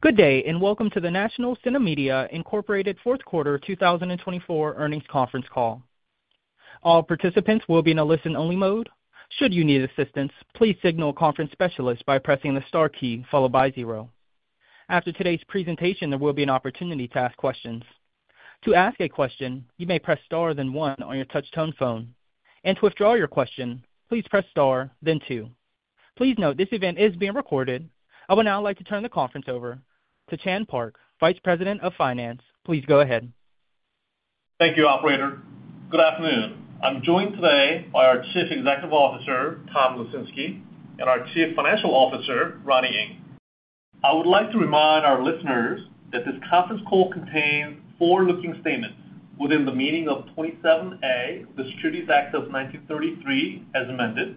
Good day, and welcome to the National CineMedia Inc. Fourth Quarter 2024 Earnings Conference Call. All participants will be in a listen-only mode. Should you need assistance, please signal a conference specialist by pressing the star key followed by zero. After today's presentation, there will be an opportunity to ask questions. To ask a question, you may press star then one on your touch-tone phone. To withdraw your question, please press star then two. Please note this event is being recorded. I would now like to turn the conference over to Chan Park, Vice President of Finance. Please go ahead. Thank you, Operator. Good afternoon. I'm joined today by our Chief Executive Officer, Tom Lesinski, and our Chief Financial Officer, Ronnie Ng. I would like to remind our listeners that this conference call contains forward-looking statements within the meaning of 27A of the Securities Act of 1933 as amended,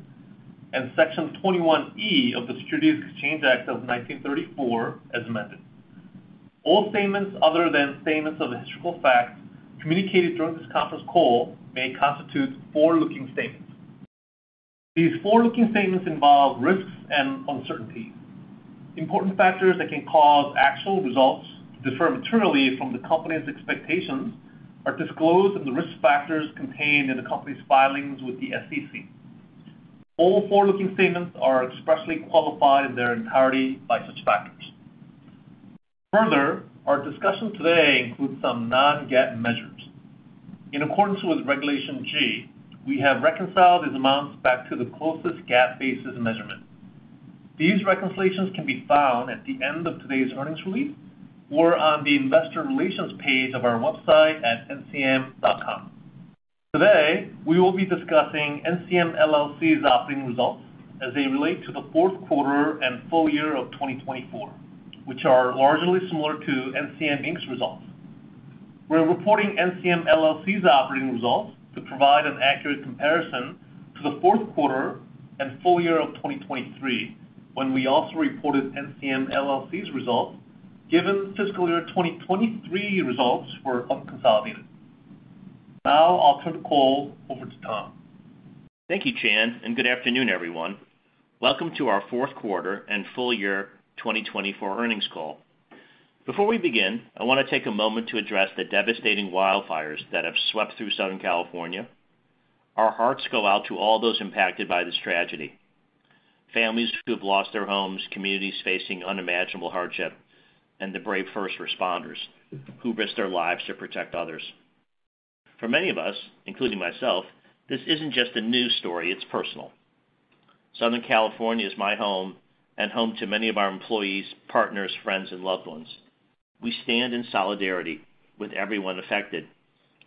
and section 21E of the Securities Exchange Act of 1934 as amended. All statements other than statements of historical facts communicated during this conference call may constitute forward-looking statements. These forward-looking statements involve risks and uncertainties. Important factors that can cause actual results to differ materially from the company's expectations are disclosed in the risk factors contained in the company's filings with the SEC. All forward-looking statements are expressly qualified in their entirety by such factors. Further, our discussion today includes some non-GAAP measures. In accordance with Regulation G, we have reconciled these amounts back to the closest GAAP basis measurement. These reconciliations can be found at the end of today's earnings release or on the investor relations page of our website at ncm.com. Today, we will be discussing NCM LLC's operating results as they relate to the fourth quarter and full year of 2024, which are largely similar to NCM Inc.'s results. We're reporting NCM LLC's operating results to provide an accurate comparison to the fourth quarter and full year of 2023, when we also reported NCM LLC's results given fiscal year 2023 results were unconsolidated. Now I'll turn the call over to Tom. Thank you, Chan, and good afternoon, everyone. Welcome to our fourth quarter and full year 2024 earnings call. Before we begin, I want to take a moment to address the devastating wildfires that have swept through Southern California. Our hearts go out to all those impacted by this tragedy: families who have lost their homes, communities facing unimaginable hardship, and the brave first responders who risked their lives to protect others. For many of us, including myself, this is not just a news story; it is personal. Southern California is my home and home to many of our employees, partners, friends, and loved ones. We stand in solidarity with everyone affected,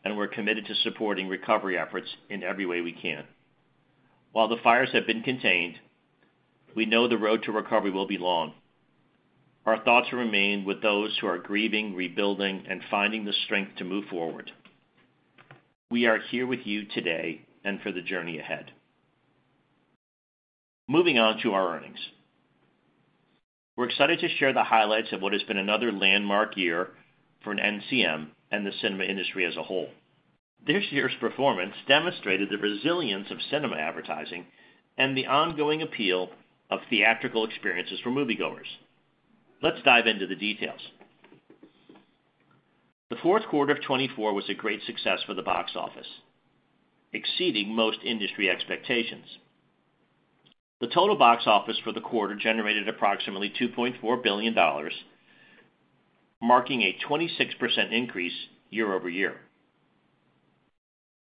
and we are committed to supporting recovery efforts in every way we can. While the fires have been contained, we know the road to recovery will be long. Our thoughts remain with those who are grieving, rebuilding, and finding the strength to move forward. We are here with you today and for the journey ahead. Moving on to our earnings. We're excited to share the highlights of what has been another landmark year for NCM and the cinema industry as a whole. This year's performance demonstrated the resilience of cinema advertising and the ongoing appeal of theatrical experiences for moviegoers. Let's dive into the details. The fourth quarter of 2024 was a great success for the box office, exceeding most industry expectations. The total box office for the quarter generated approximately $2.4 billion, marking a 26% increase year- over-year.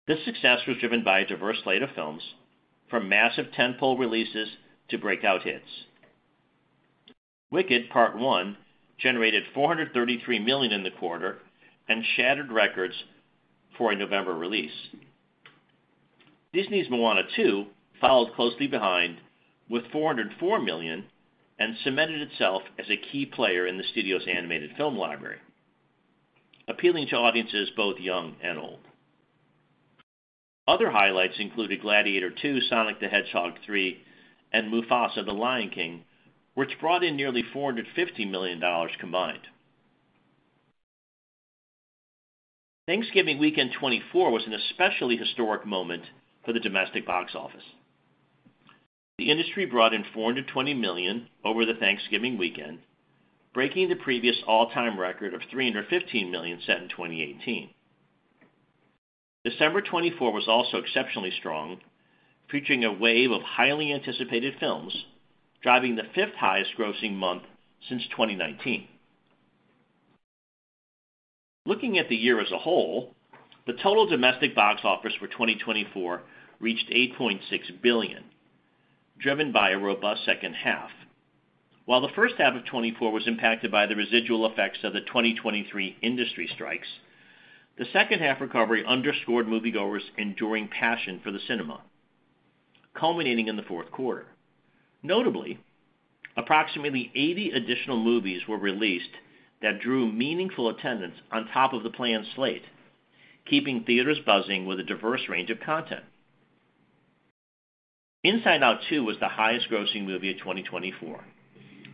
This success was driven by a diverse slate of films, from massive tentpole releases to breakout hits. Wicked: Part One generated $433 million in the quarter and shattered records for a November release. Disney's Moana 2 followed closely behind with $404 million and cemented itself as a key player in the studio's animated film library, appealing to audiences both young and old. Other highlights included Gladiator 2, Sonic the Hedgehog 3, and Mufasa: The Lion King, which brought in nearly $450 million combined. Thanksgiving weekend 2024 was an especially historic moment for the domestic box office. The industry brought in $420 million over the Thanksgiving weekend, breaking the previous all-time record of $315 million set in 2018. December 2024 was also exceptionally strong, featuring a wave of highly anticipated films, driving the fifth highest grossing month since 2019. Looking at the year as a whole, the total domestic box office for 2024 reached $8.6 billion, driven by a robust second half. While the first half of 2024 was impacted by the residual effects of the 2023 industry strikes, the second half recovery underscored moviegoers' enduring passion for the cinema, culminating in the fourth quarter. Notably, approximately 80 additional movies were released that drew meaningful attendance on top of the planned slate, keeping theaters buzzing with a diverse range of content. Inside Out 2 was the highest-grossing movie of 2024,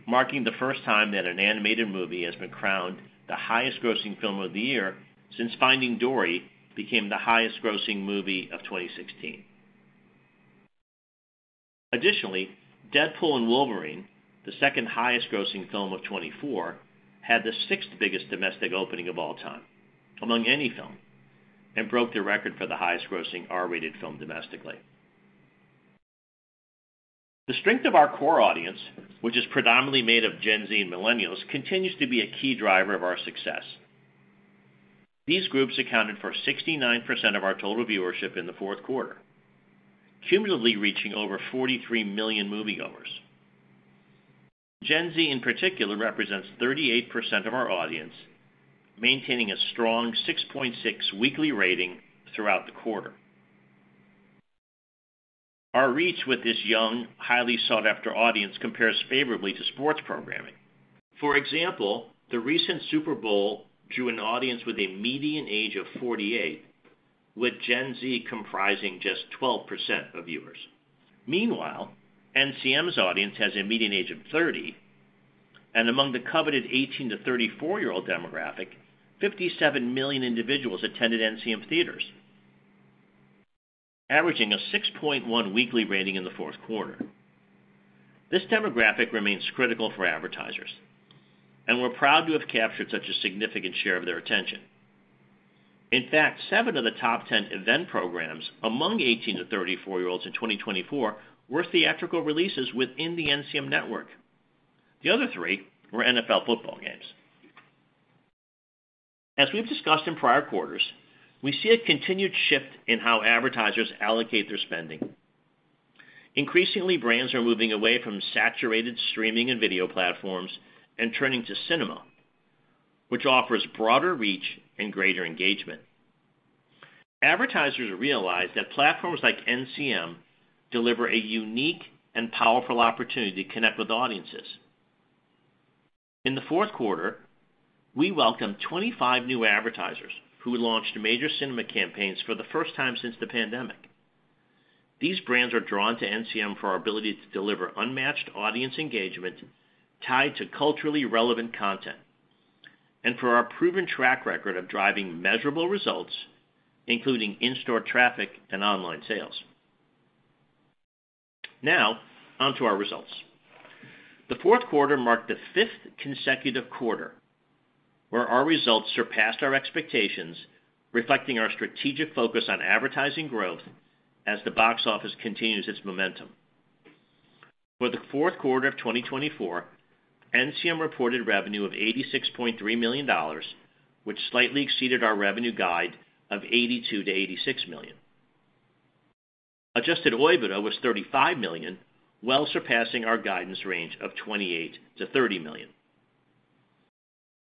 marking the first time that an animated movie has been crowned the highest-grossing film of the year since Finding Dory became the highest-grossing movie of 2016. Additionally, Deadpool & Wolverine, the second highest-grossing film of 2024, had the sixth biggest domestic opening of all time among any film and broke the record for the highest-grossing R-rated film domestically. The strength of our core audience, which is predominantly made of Gen Z and Millennials, continues to be a key driver of our success. These groups accounted for 69% of our total viewership in the fourth quarter, cumulatively reaching over 43 million moviegoers. Gen Z, in particular, represents 38% of our audience, maintaining a strong 6.6 weekly rating throughout the quarter. Our reach with this young, highly sought-after audience compares favorably to sports programming. For example, the recent Super Bowl drew an audience with a median age of 48, with Gen Z comprising just 12% of viewers. Meanwhile, NCM's audience has a median age of 30, and among the coveted 18-year old-34-year-old demographic, 57 million individuals attended NCM theaters, averaging a 6.1 weekly rating in the fourth quarter. This demographic remains critical for advertisers, and we're proud to have captured such a significant share of their attention. In fact, seven of the top 10 event programs among 18-34-year-olds in 2024 were theatrical releases within the NCM network. The other three were NFL football games. As we've discussed in prior quarters, we see a continued shift in how advertisers allocate their spending. Increasingly, brands are moving away from saturated streaming and video platforms and turning to cinema, which offers broader reach and greater engagement. Advertisers realize that platforms like NCM deliver a unique and powerful opportunity to connect with audiences. In the fourth quarter, we welcomed 25 new advertisers who launched major cinema campaigns for the first time since the pandemic. These brands are drawn to NCM for our ability to deliver unmatched audience engagement tied to culturally relevant content and for our proven track record of driving measurable results, including in-store traffic and online sales. Now onto our results. The fourth quarter marked the fifth consecutive quarter where our results surpassed our expectations, reflecting our strategic focus on advertising growth as the box office continues its momentum. For the fourth quarter of 2024, NCM reported revenue of $86.3 million, which slightly exceeded our revenue guide of $82 million-$86 million. Adjusted EBITDA was $35 million, well surpassing our guidance range of $28 million-$30 million.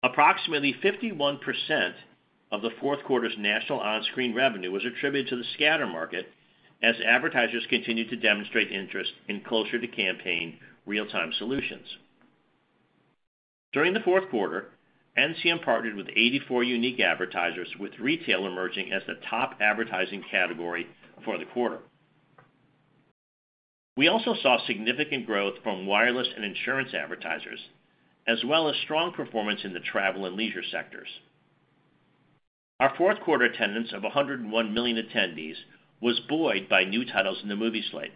Approximately 51% of the fourth quarter's national on-screen revenue was attributed to the scatter market as advertisers continued to demonstrate interest in closer-to-campaign real-time solutions. During the fourth quarter, NCM partnered with 84 unique advertisers, with retail emerging as the top advertising category for the quarter. We also saw significant growth from wireless and insurance advertisers, as well as strong performance in the travel and leisure sectors. Our fourth quarter attendance of 101 million attendees was buoyed by new titles in the movie slate,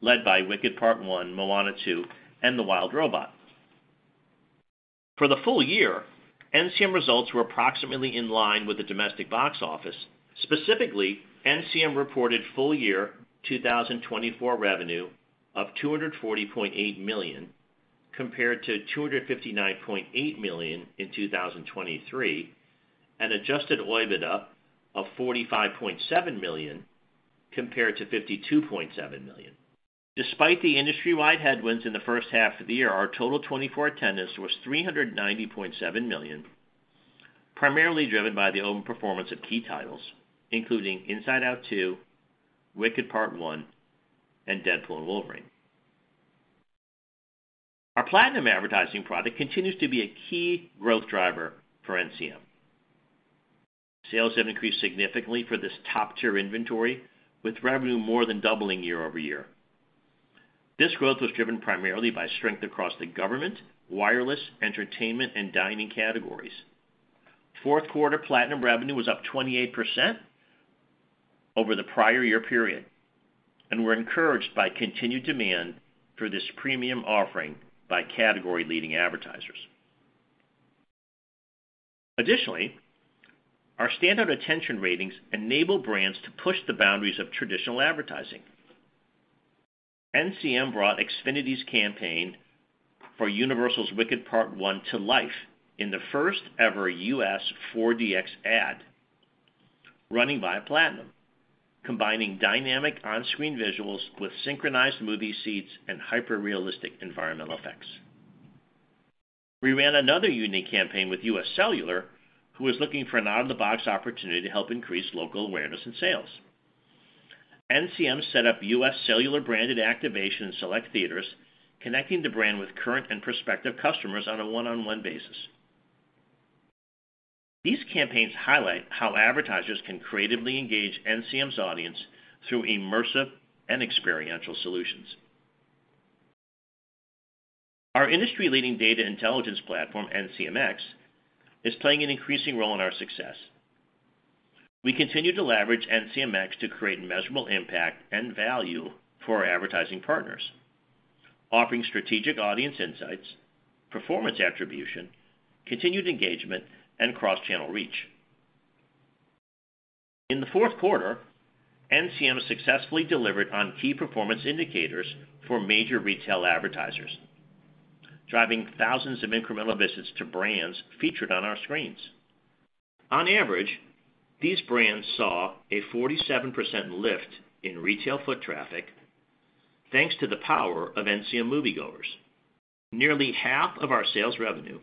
led by Wicked: Part One, Moana 2, and The Wild Robot. For the full year, NCM results were approximately in line with the domestic box office. Specifically, NCM reported full year 2024 revenue of $240.8 million compared to $259.8 million in 2023, and adjusted EBITDA of $45.7 million compared to $52.7 million. Despite the industry-wide headwinds in the first half of the year, our total 2024 attendance was 390.7 million, primarily driven by the open performance of key titles, including Inside Out 2, Wicked: Part One, and Deadpool & Wolverine. Our Platinum advertising product continues to be a key growth driver for NCM. Sales have increased significantly for this top-tier inventory, with revenue more than doubling year-over-year. This growth was driven primarily by strength across the government, wireless, entertainment, and dining categories. Fourth quarter Platinum revenue was up 28% over the prior year period, and we are encouraged by continued demand for this premium offering by category-leading advertisers. Additionally, our standout attention ratings enable brands to push the boundaries of traditional advertising. NCM brought Xfinity's campaign for Universal's Wicked: Part One to life in the first-ever U.S. 4DX ad, running via Platinum, combining dynamic on-screen visuals with synchronized movie seats and hyper-realistic environmental effects. We ran another unique campaign with US Cellular, who was looking for an out-of-the-box opportunity to help increase local awareness and sales. NCM set up US Cellular branded activation in select theaters, connecting the brand with current and prospective customers on a one-on-one basis. These campaigns highlight how advertisers can creatively engage NCM's audience through immersive and experiential solutions. Our industry-leading data intelligence platform, NCMX, is playing an increasing role in our success. We continue to leverage NCMX to create measurable impact and value for our advertising partners, offering strategic audience insights, performance attribution, continued engagement, and cross-channel reach. In the fourth quarter, NCM successfully delivered on key performance indicators for major retail advertisers, driving thousands of incremental visits to brands featured on our screens. On average, these brands saw a 47% lift in retail foot traffic, thanks to the power of NCM moviegoers. Nearly half of our sales revenue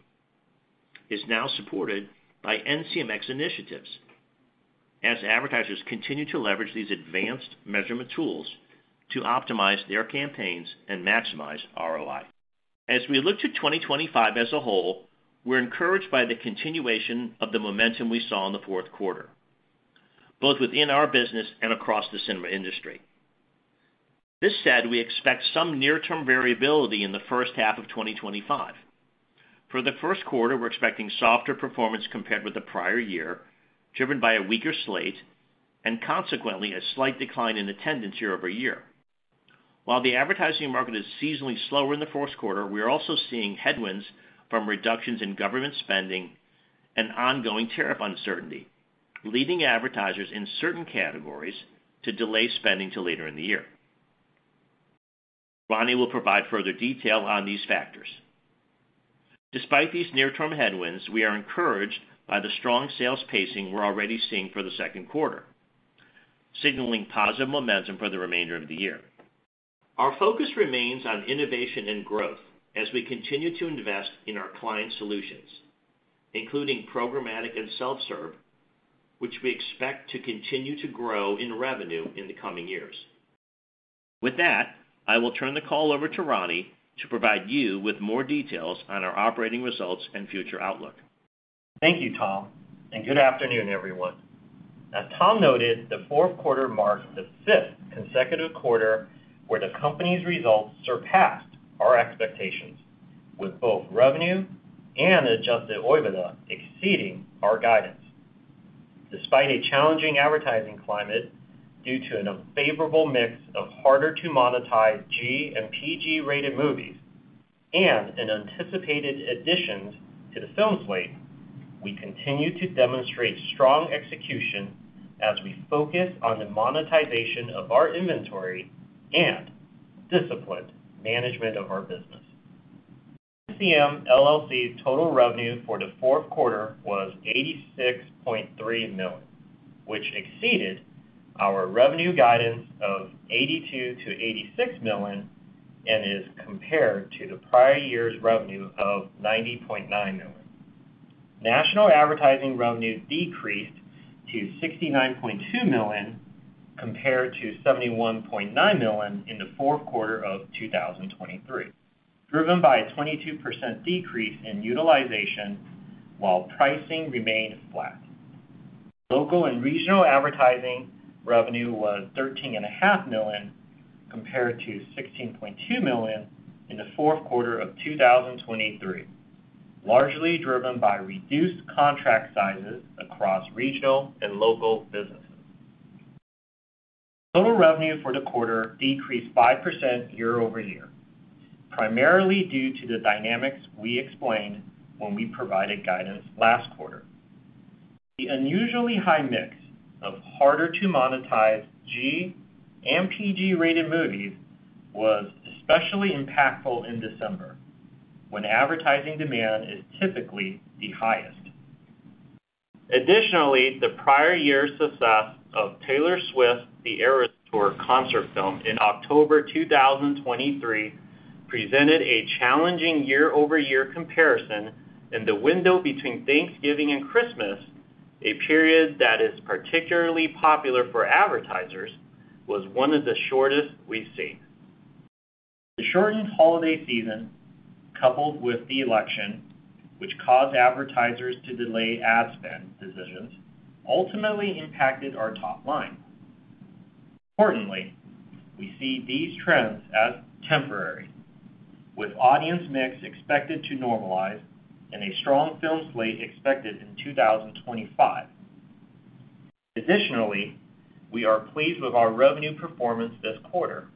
is now supported by NCMX initiatives, as advertisers continue to leverage these advanced measurement tools to optimize their campaigns and maximize ROI. As we look to 2025 as a whole, we're encouraged by the continuation of the momentum we saw in the fourth quarter, both within our business and across the cinema industry. This said, we expect some near-term variability in the first half of 2025. For the first quarter, we're expecting softer performance compared with the prior year, driven by a weaker slate, and consequently, a slight decline in attendance year-over-year. While the advertising market is seasonally slower in the fourth quarter, we are also seeing headwinds from reductions in government spending and ongoing tariff uncertainty, leading advertisers in certain categories to delay spending to later in the year. Ronnie will provide further detail on these factors. Despite these near-term headwinds, we are encouraged by the strong sales pacing we're already seeing for the second quarter, signaling positive momentum for the remainder of the year. Our focus remains on innovation and growth as we continue to invest in our client solutions, including programmatic and self-serve, which we expect to continue to grow in revenue in the coming years. With that, I will turn the call over to Ronnie to provide you with more details on our operating results and future outlook. Thank you, Tom, and good afternoon, everyone. As Tom noted, the fourth quarter marked the fifth consecutive quarter where the company's results surpassed our expectations, with both revenue and adjusted OIBDA exceeding our guidance. Despite a challenging advertising climate due to an unfavorable mix of harder-to-monetize G and PG-rated movies and anticipated additions to the film slate, we continue to demonstrate strong execution as we focus on the monetization of our inventory and disciplined management of our business. NCM LLC's total revenue for the fourth quarter was $86.3 million, which exceeded our revenue guidance of $82 million-$86 million and is compared to the prior year's revenue of $90.9 million. National advertising revenue decreased to $69.2 million compared to $71.9 million in the fourth quarter of 2023, driven by a 22% decrease in utilization, while pricing remained flat. Local and regional advertising revenue was $13.5 million compared to $16.2 million in the fourth quarter of 2023, largely driven by reduced contract sizes across regional and local businesses. Total revenue for the quarter decreased 5% year-over-year, primarily due to the dynamics we explained when we provided guidance last quarter. The unusually high mix of harder-to-monetize G and PG-rated movies was especially impactful in December, when advertising demand is typically the highest. Additionally, the prior year's success of Taylor Swift's The Eras Tour concert film in October 2023 presented a challenging year-over-year comparison, and the window between Thanksgiving and Christmas, a period that is particularly popular for advertisers, was one of the shortest we've seen. The shortened holiday season, coupled with the election, which caused advertisers to delay ad spend decisions, ultimately impacted our top line. Importantly, we see these trends as temporary, with audience mix expected to normalize and a strong film slate expected in 2025. Additionally, we are pleased with our revenue performance this quarter,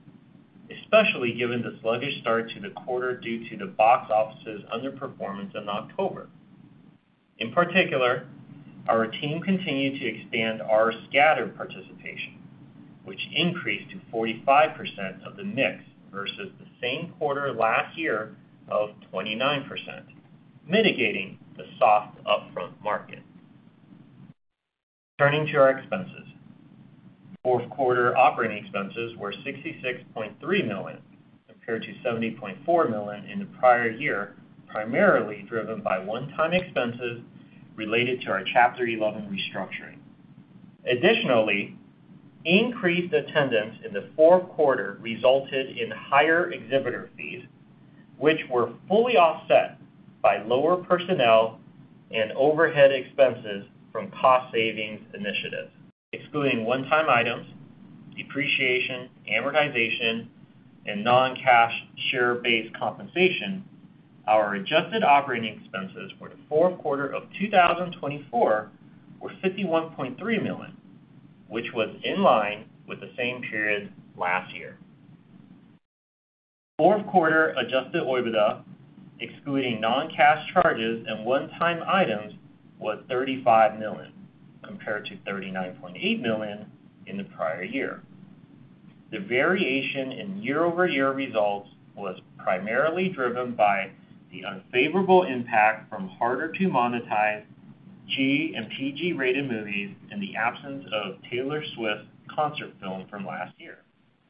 especially given the sluggish start to the quarter due to the box office's underperformance in October. In particular, our team continued to expand our scatter participation, which increased to 45% of the mix versus the same quarter last year of 29%, mitigating the soft upfront market. Turning to our expenses, the fourth quarter operating expenses were $66.3 million compared to $70.4 million in the prior year, primarily driven by one-time expenses related to our Chapter 11 restructuring. Additionally, increased attendance in the fourth quarter resulted in higher exhibitor fees, which were fully offset by lower personnel and overhead expenses from cost savings initiatives. Excluding one-time items, depreciation, amortization, and non-cash share-based compensation, our adjusted operating expenses for the fourth quarter of 2024 were $51.3 million, which was in line with the same period last year. Fourth quarter adjusted OIBDA, excluding non-cash charges and one-time items, was $35 million compared to $39.8 million in the prior year. The variation in year-over-year results was primarily driven by the unfavorable impact from harder-to-monetize G and PG-rated movies and the absence of Taylor Swift's concert film from last year,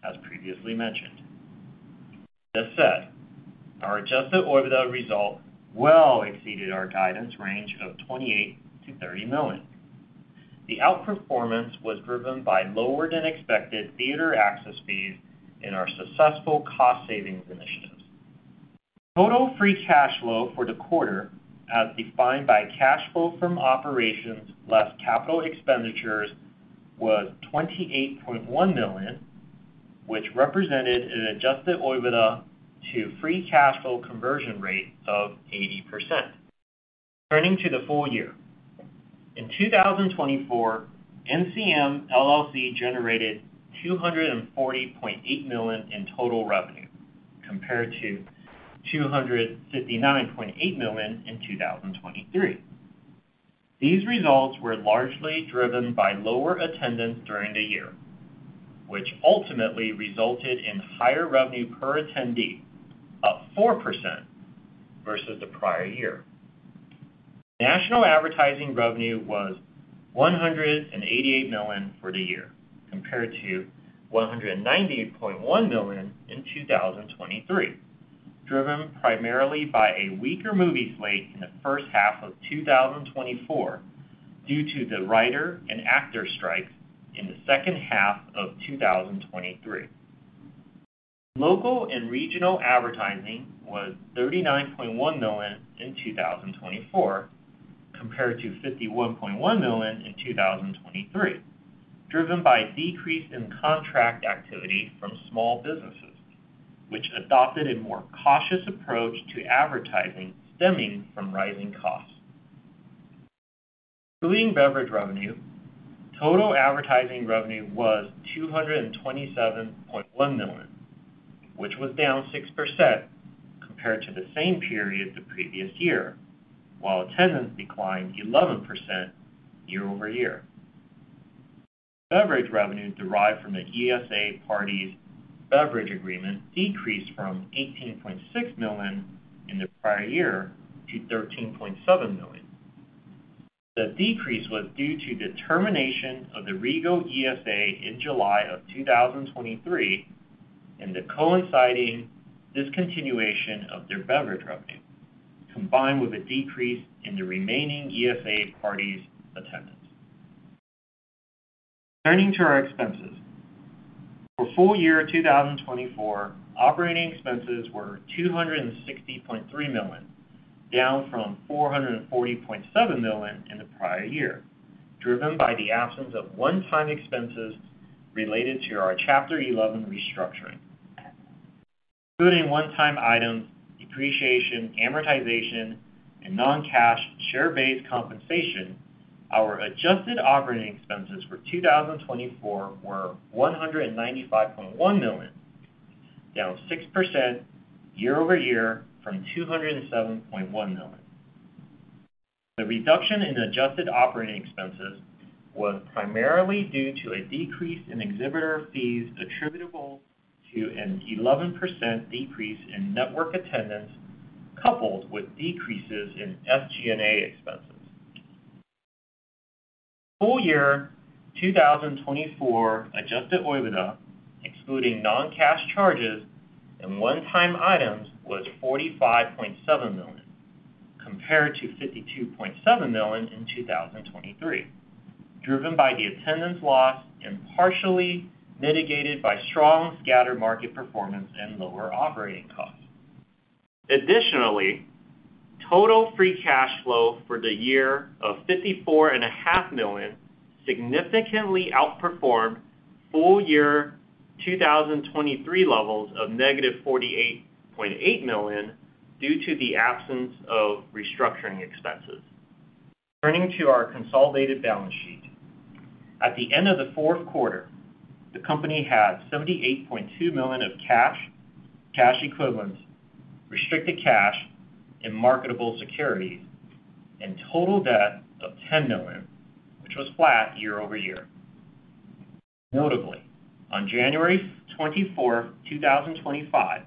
as previously mentioned. That said, our adjusted OIBDA result well exceeded our guidance range of $28 million-$30 million. The outperformance was driven by lower-than-expected theater access fees and our successful cost savings initiatives. Total free cash flow for the quarter, as defined by cash flow from operations less capital expenditures, was $28.1 million, which represented an adjusted OIBDA to free cash flow conversion rate of 80%. Turning to the full year, in 2024, NCM generated $240.8 million in total revenue compared to $259.8 million in 2023. These results were largely driven by lower attendance during the year, which ultimately resulted in higher revenue per attendee, up 4% versus the prior year. National advertising revenue was $188 million for the year, compared to $198.1 million in 2023, driven primarily by a weaker movie slate in the first half of 2024 due to the writer and actor strikes in the second half of 2023. Local and regional advertising was $39.1 million in 2024 compared to $51.1 million in 2023, driven by a decrease in contract activity from small businesses, which adopted a more cautious approach to advertising stemming from rising costs. Including beverage revenue, total advertising revenue was $227.1 million, which was down 6% compared to the same period the previous year, while attendance declined 11% year-over-year. Beverage revenue derived from the ESA party's beverage agreement decreased from $18.6 million in the prior year to $13.7 million. The decrease was due to the termination of the Rego ESA in July of 2023 and the coinciding discontinuation of their beverage revenue, combined with a decrease in the remaining ESA Parties' attendance. Turning to our expenses, for full year 2024, operating expenses were $260.3 million, down from $440.7 million in the prior year, driven by the absence of one-time expenses related to our Chapter 11 restructuring. Including one-time items, depreciation, amortization, and non-cash share-based compensation, our adjusted operating expenses for 2024 were $195.1 million, down 6% year-over-year from $207.1 million. The reduction in adjusted operating expenses was primarily due to a decrease in exhibitor fees attributable to an 11% decrease in network attendance, coupled with decreases in SG&A expenses. Full year 2024 adjusted OIBDA, excluding non-cash charges and one-time items, was $45.7 million compared to $52.7 million in 2023, driven by the attendance loss and partially mitigated by strong scatter market performance and lower operating costs. Additionally, total free cash flow for the year of $54.5 million significantly outperformed full year 2023 levels of negative $48.8 million due to the absence of restructuring expenses. Turning to our consolidated balance sheet, at the end of the fourth quarter, the company had $78.2 million of cash, cash equivalents, restricted cash, and marketable securities, and total debt of $10 million, which was flat year-over-year. Notably, on January 24, 2025,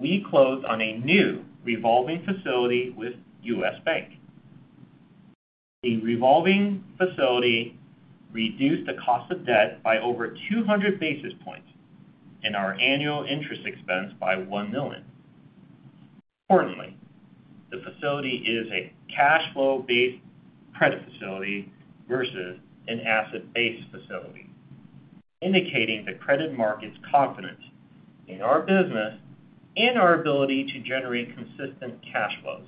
we closed on a new revolving facility with U.S. Bank. The revolving facility reduced the cost of debt by over 200 basis points and our annual interest expense by $1 million. Importantly, the facility is a cash flow-based credit facility versus an asset-based facility, indicating the credit market's confidence in our business and our ability to generate consistent cash flows.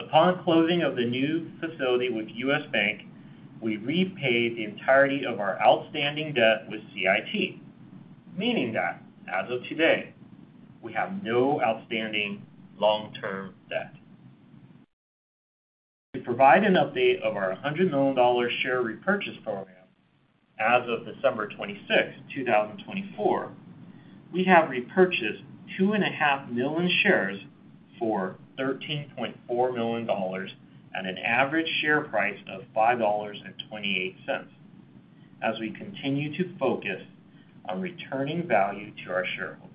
Upon closing of the new facility with U.S. Bank, we repaid the entirety of our outstanding debt with CIT, meaning that, as of today, we have no outstanding long-term debt. To provide an update of our $100 million share repurchase program, as of December 26, 2024, we have repurchased 2.5 million shares for $13.4 million at an average share price of $5.28, as we continue to focus on returning value to our shareholders.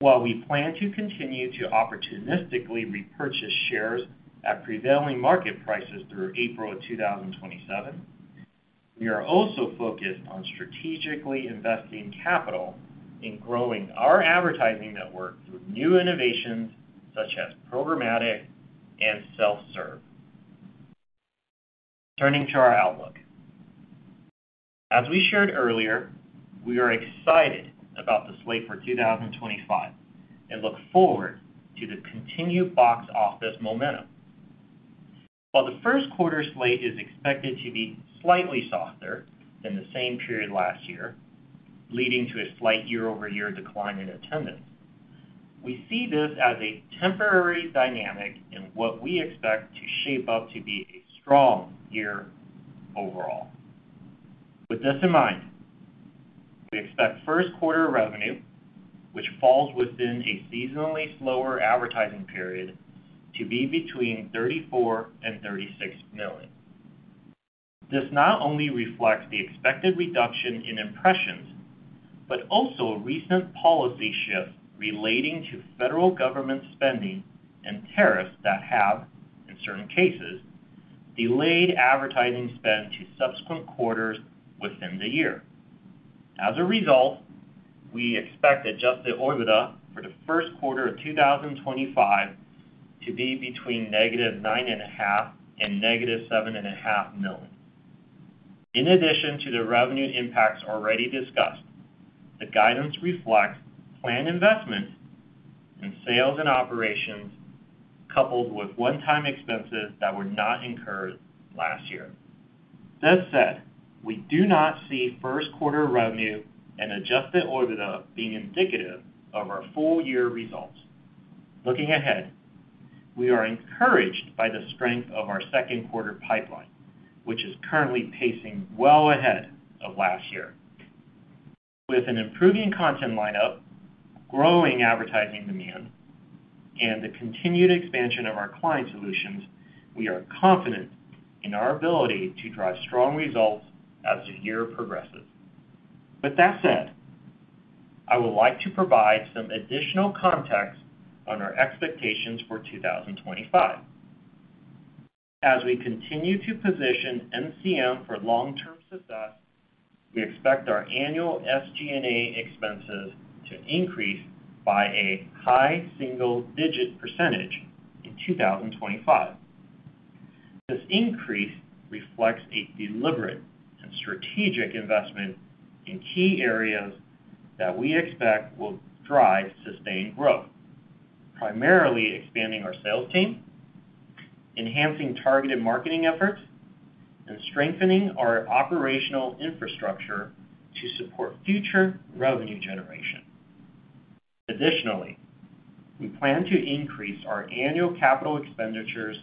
While we plan to continue to opportunistically repurchase shares at prevailing market prices through April of 2027, we are also focused on strategically investing capital in growing our advertising network through new innovations such as programmatic and self-serve. Turning to our outlook, as we shared earlier, we are excited about the slate for 2025 and look forward to the continued box office momentum. While the first quarter slate is expected to be slightly softer than the same period last year, leading to a slight year-over-year decline in attendance, we see this as a temporary dynamic and what we expect to shape up to be a strong year overall. With this in mind, we expect first quarter revenue, which falls within a seasonally slower advertising period, to be between $34 million and $36 million. This not only reflects the expected reduction in impressions but also recent policy shifts relating to federal government spending and tariffs that have, in certain cases, delayed advertising spend to subsequent quarters within the year. As a result, we expect adjusted OIBDA for the first quarter of 2025 to be between -$9.5 million and -$7.5 million. In addition to the revenue impacts already discussed, the guidance reflects planned investment in sales and operations coupled with one-time expenses that were not incurred last year. That said, we do not see first quarter revenue and adjusted OIBDA being indicative of our full year results. Looking ahead, we are encouraged by the strength of our second quarter pipeline, which is currently pacing well ahead of last year. With an improving content lineup, growing advertising demand, and the continued expansion of our client solutions, we are confident in our ability to drive strong results as the year progresses. With that said, I would like to provide some additional context on our expectations for 2025. As we continue to position NCM for long-term success, we expect our annual SG&A expenses to increase by a high single-digit percentage in 2025. This increase reflects a deliberate and strategic investment in key areas that we expect will drive sustained growth, primarily expanding our sales team, enhancing targeted marketing efforts, and strengthening our operational infrastructure to support future revenue generation. Additionally, we plan to increase our annual capital expenditures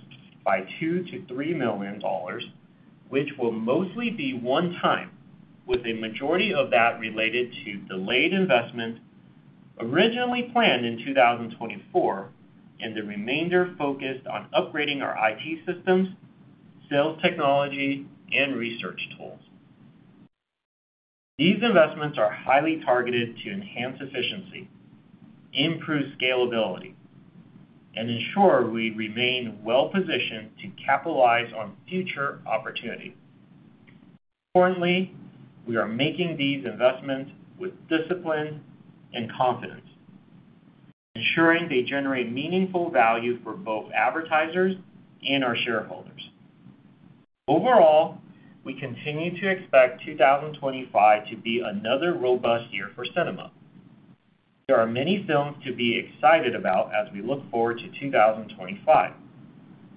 by $2 million-$3 million, which will mostly be one-time, with a majority of that related to delayed investment originally planned in 2024 and the remainder focused on upgrading our IT systems, sales technology, and research tools. These investments are highly targeted to enhance efficiency, improve scalability, and ensure we remain well-positioned to capitalize on future opportunities. Importantly, we are making these investments with discipline and confidence, ensuring they generate meaningful value for both advertisers and our shareholders. Overall, we continue to expect 2025 to be another robust year for cinema. There are many films to be excited about as we look forward to 2025,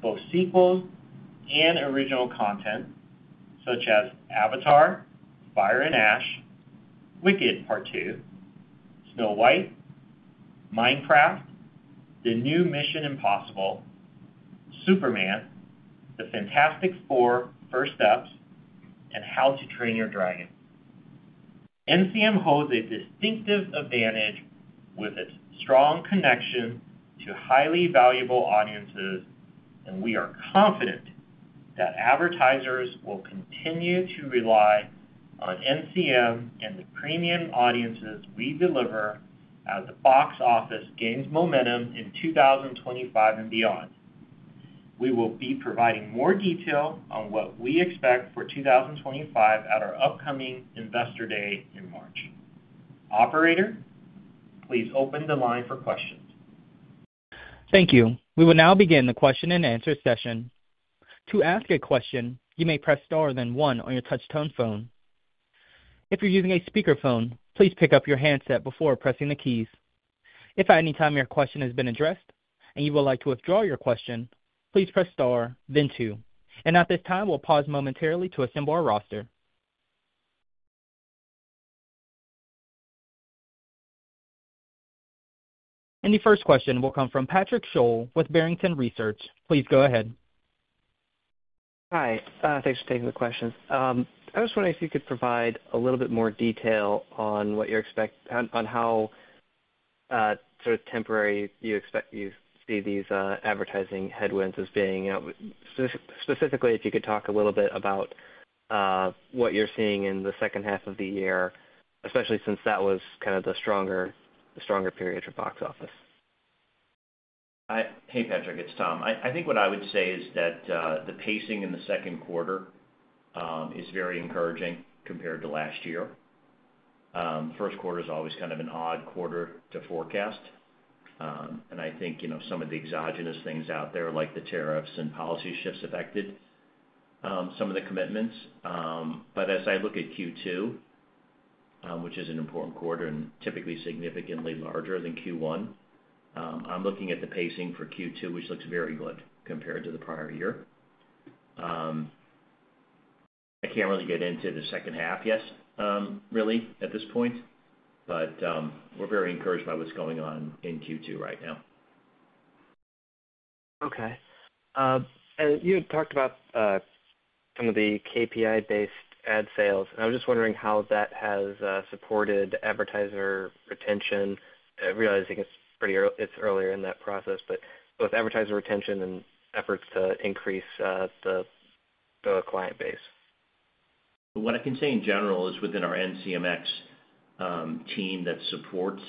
both sequels and original content, such as Avatar: Fire & Ash, Wicked: Part Two, Snow White, Minecraft, The New Mission: Impossible, Superman, The Fantastic Four: First Steps, and How to Train Your Dragon. NCM holds a distinctive advantage with its strong connection to highly valuable audiences, and we are confident that advertisers will continue to rely on NCM and the premium audiences we deliver as the box office gains momentum in 2025 and beyond. We will be providing more detail on what we expect for 2025 at our upcoming Investor Day in March. Operator, please open the line for questions. Thank you. We will now begin the question-and-answer session. To ask a question, you may press star then one on your touch-tone phone. If you're using a speakerphone, please pick up your handset before pressing the keys. If at any time your question has been addressed and you would like to withdraw your question, please press star, then two. At this time, we'll pause momentarily to assemble our roster. The first question will come from Patrick Scholl with Barrington Research. Please go ahead. Hi. Thanks for taking the question. I was wondering if you could provide a little bit more detail on what you expect, on how sort of temporary you expect you see these advertising headwinds as being. Specifically, if you could talk a little bit about what you're seeing in the second half of the year, especially since that was kind of the stronger period for box office. Hey, Patrick. It's Tom. I think what I would say is that the pacing in the second quarter is very encouraging compared to last year. First quarter is always kind of an odd quarter to forecast. I think some of the exogenous things out there, like the tariffs and policy shifts, affected some of the commitments. As I look at Q2, which is an important quarter and typically significantly larger than Q1, I'm looking at the pacing for Q2, which looks very good compared to the prior year. I can't really get into the second half yet, really, at this point, but we're very encouraged by what's going on in Q2 right now. Okay. You had talked about some of the KPI-based ad sales. I was just wondering how that has supported advertiser retention, realizing it's earlier in that process, but both advertiser retention and efforts to increase the client base. What I can say in general is within our NCMX team that supports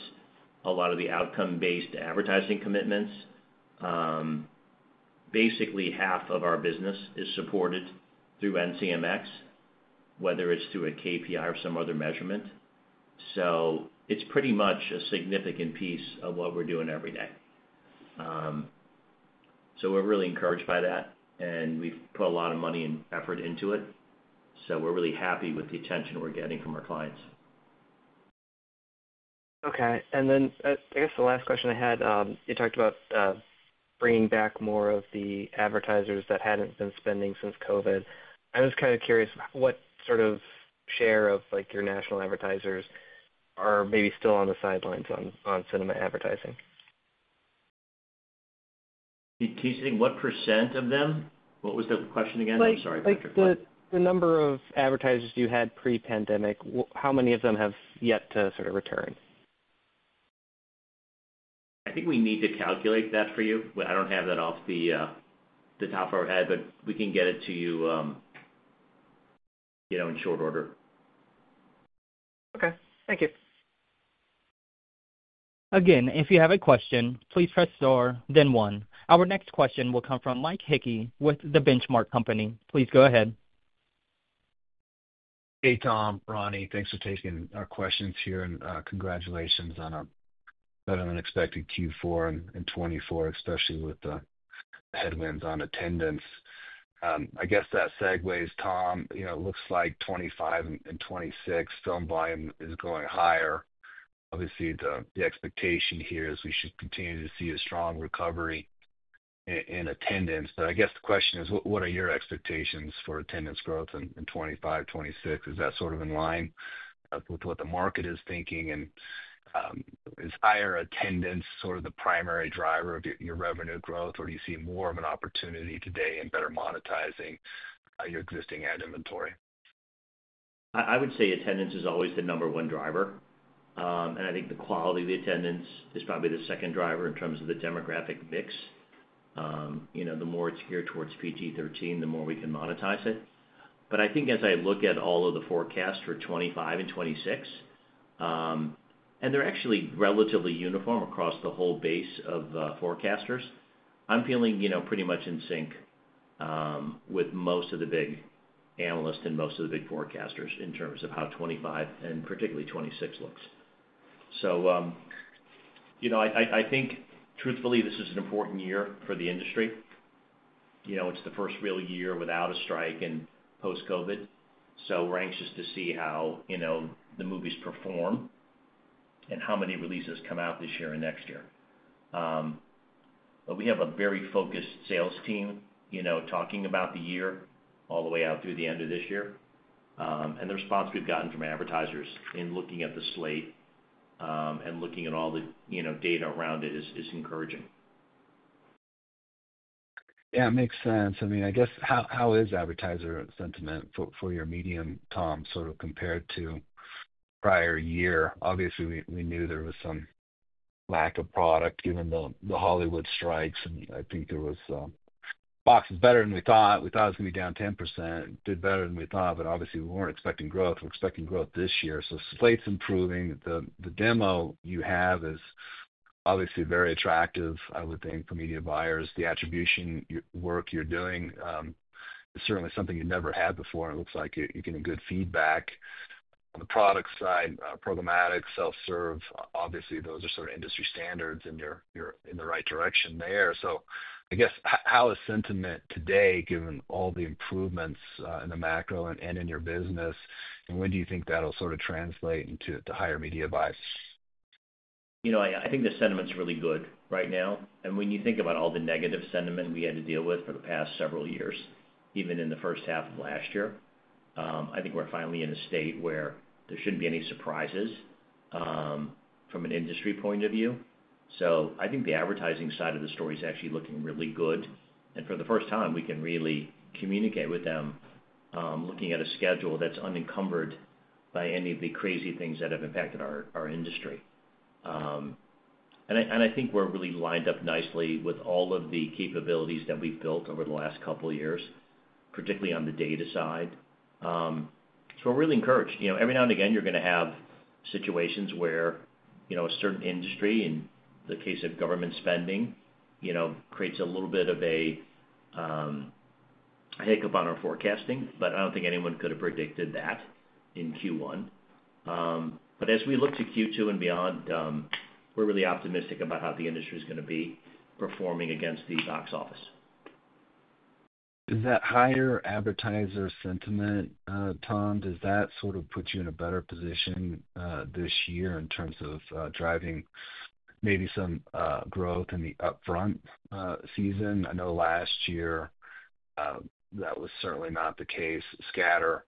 a lot of the outcome-based advertising commitments, basically half of our business is supported through NCMX, whether it's through a KPI or some other measurement. It's pretty much a significant piece of what we're doing every day. We're really encouraged by that, and we've put a lot of money and effort into it. We're really happy with the attention we're getting from our clients. Okay. I guess the last question I had, you talked about bringing back more of the advertisers that hadn't been spending since COVID. I was kind of curious what sort of share of your national advertisers are maybe still on the sidelines on cinema advertising. Can you say what % of them? What was the question again? I'm sorry. The number of advertisers you had pre-pandemic, how many of them have yet to sort of return? I think we need to calculate that for you. I don't have that off the top of our head, but we can get it to you in short order. Okay. Thank you. Again, if you have a question, please press star, then one. Our next question will come from Mike Hickey with The Benchmark Company. Please go ahead. Hey, Tom, Ronnie. Thanks for taking our questions here. And congratulations on a better-than-expected Q4 and 2024, especially with the headwinds on attendance. I guess that segues, Tom, it looks like 2025 and 2026, film volume is going higher. Obviously, the expectation here is we should continue to see a strong recovery in attendance. I guess the question is, what are your expectations for attendance growth in 2025, 2026? Is that sort of in line with what the market is thinking? And is higher attendance sort of the primary driver of your revenue growth, or do you see more of an opportunity today in better monetizing your existing ad inventory? I would say attendance is always the number one driver. I think the quality of the attendance is probably the second driver in terms of the demographic mix. The more it's geared towards PG-13, the more we can monetize it. I think as I look at all of the forecasts for 2025 and 2026, and they're actually relatively uniform across the whole base of forecasters, I'm feeling pretty much in sync with most of the big analysts and most of the big forecasters in terms of how 2025 and particularly 2026 looks. I think, truthfully, this is an important year for the industry. It's the first real year without a strike and post-COVID. We're anxious to see how the movies perform and how many releases come out this year and next year. We have a very focused sales team talking about the year all the way out through the end of this year. The response we've gotten from advertisers in looking at the slate and looking at all the data around it is encouraging. Yeah, it makes sense. I mean, I guess how is advertiser sentiment for your medium, Tom, sort of compared to prior year? Obviously, we knew there was some lack of product given the Hollywood strikes, and I think there was box office better than we thought. We thought it was going to be down 10%, did better than we thought, but obviously, we weren't expecting growth. We're expecting growth this year. Slate's improving. The demo you have is obviously very attractive, I would think, for media buyers. The attribution work you're doing is certainly something you never had before. It looks like you're getting good feedback. On the product side, programmatic, self-serve, obviously, those are sort of industry standards, and you're in the right direction there. I guess how is sentiment today, given all the improvements in the macro and in your business, and when do you think that'll sort of translate into the higher media buyers? I think the sentiment's really good right now. When you think about all the negative sentiment we had to deal with for the past several years, even in the first half of last year, I think we're finally in a state where there shouldn't be any surprises from an industry point of view. I think the advertising side of the story is actually looking really good. For the first time, we can really communicate with them looking at a schedule that's unencumbered by any of the crazy things that have impacted our industry. I think we're really lined up nicely with all of the capabilities that we've built over the last couple of years, particularly on the data side. We're really encouraged. Every now and again, you're going to have situations where a certain industry, in the case of government spending, creates a little bit of a hiccup on our forecasting, but I don't think anyone could have predicted that in Q1. As we look to Q2 and beyond, we're really optimistic about how the industry is going to be performing against the box office. Is that higher advertiser sentiment, Tom, does that sort of put you in a better position this year in terms of driving maybe some growth in the upfront season? I know last year that was certainly not the case. Scatter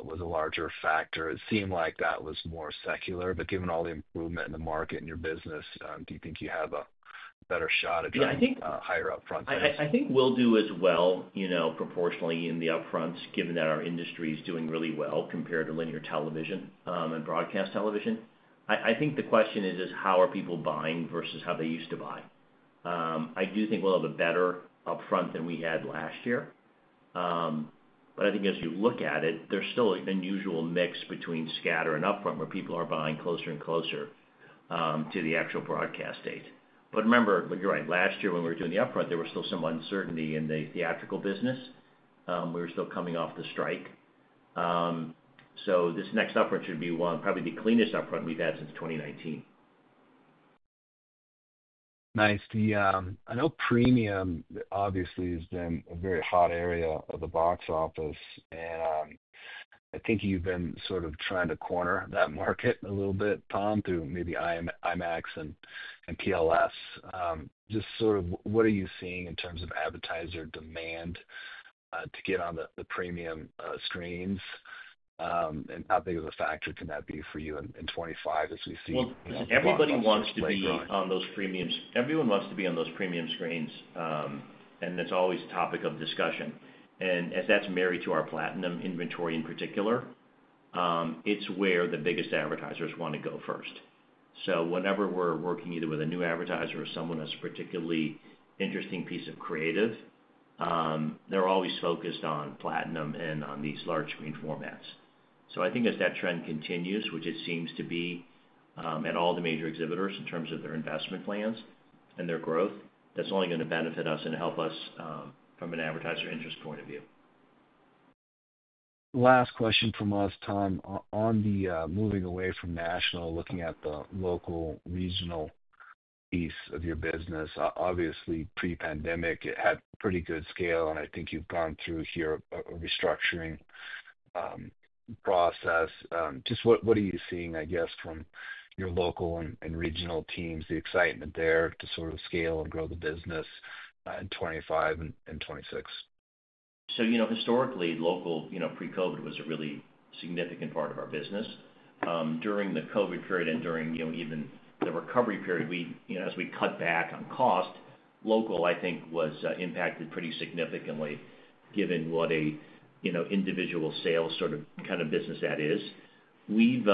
was a larger factor. It seemed like that was more secular. Given all the improvement in the market and your business, do you think you have a better shot at driving higher upfront? I think we'll do as well proportionally in the upfronts, given that our industry is doing really well compared to linear television and broadcast television. I think the question is, how are people buying versus how they used to buy? I do think we'll have a better upfront than we had last year. I think as you look at it, there's still an unusual mix between scatter and upfront where people are buying closer and closer to the actual broadcast date. Remember, you're right. Last year, when we were doing the upfront, there was still some uncertainty in the theatrical business. We were still coming off the strike. This next upfront should be probably the cleanest upfront we've had since 2019. Nice. I know premium obviously has been a very hot area of the box office. I think you've been sort of trying to corner that market a little bit, Tom, through maybe IMAX and PLS. Just sort of what are you seeing in terms of advertiser demand to get on the premium screens? How big of a factor can that be for you in 2025 as we see? Everybody wants to be on those premiums. Everyone wants to be on those premium screens. It is always a topic of discussion. As that is married to our Platinum inventory in particular, it is where the biggest advertisers want to go first. Whenever we are working either with a new advertiser or someone that is a particularly interesting piece of creative, they are always focused on Platinum and on these large-screen formats. I think as that trend continues, which it seems to be at all the major exhibitors in terms of their investment plans and their growth, that's only going to benefit us and help us from an advertiser interest point of view. Last question from us, Tom. On the moving away from national, looking at the local regional piece of your business, obviously, pre-pandemic, it had pretty good scale. I think you've gone through here a restructuring process. Just what are you seeing, I guess, from your local and regional teams, the excitement there to sort of scale and grow the business in 2025 and 2026? Historically, local pre-COVID was a really significant part of our business. During the COVID period and during even the recovery period, as we cut back on cost, local, I think, was impacted pretty significantly given what an individual sales sort of kind of business that is. We've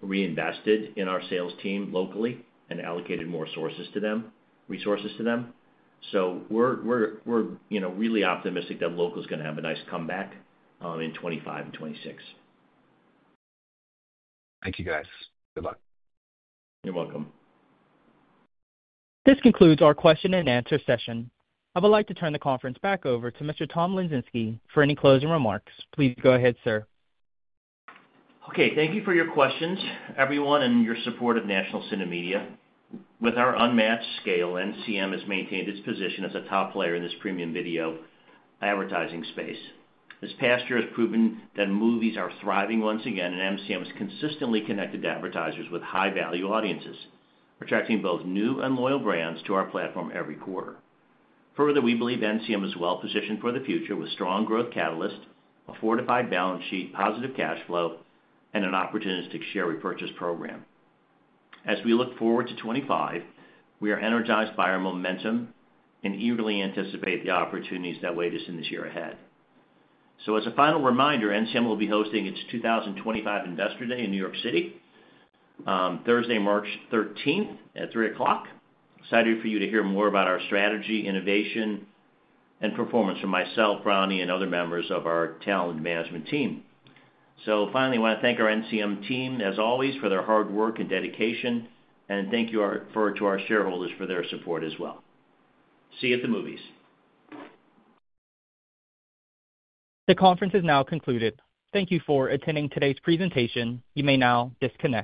reinvested in our sales team locally and allocated more resources to them. So we're really optimistic that local is going to have a nice comeback in 2025 and 2026. Thank you, guys. Good luck. You're welcome. This concludes our question and answer session. I would like to turn the conference back over to Mr. Tom Lesinski for any closing remarks. Please go ahead, sir. Okay. Thank you for your questions, everyone, and your support of National CineMedia. With our unmatched scale, NCM has maintained its position as a top player in this premium video advertising space. This past year has proven that movies are thriving once again, and NCM is consistently connected to advertisers with high-value audiences, attracting both new and loyal brands to our platform every quarter. Further, we believe NCM is well-positioned for the future with strong growth catalysts, a fortified balance sheet, positive cash flow, and an opportunistic share repurchase program. As we look forward to 2025, we are energized by our momentum and eagerly anticipate the opportunities that wait us in this year ahead. As a final reminder, NCM will be hosting its 2025 Investor Day in New York City, Thursday, March 13th at 3:00 P.M. Excited for you to hear more about our strategy, innovation, and performance from myself, Ronnie, and other members of our talent management team. Finally, I want to thank our NCM team, as always, for their hard work and dedication. Thank you to our shareholders for their support as well. See you at the movies. The conference is now concluded. Thank you for attending today's presentation. You may now disconnect.